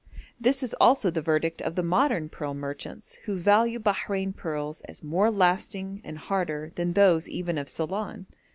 This is also the verdict of the modern pearl merchants, who value Bahrein pearls, as more lasting and harder than those even of Ceylon.